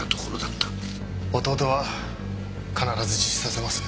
弟は必ず自首させます。